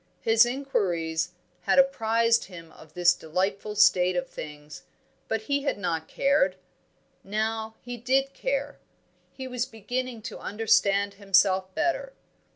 His inquiries had apprised him of this delightful state of things, but he had not cared. Now he did care. He was beginning to understand himself better.